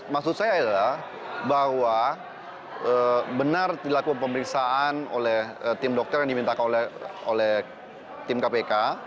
maksud saya adalah bahwa benar dilakukan pemeriksaan oleh tim dokter yang diminta oleh tim kpk